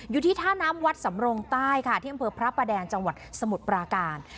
อยู่ที่ท่าน้ำวัดสำร๙๑๑ที่เยี่ยมเผอพระปาแดนจังหวัดสมุติปราการ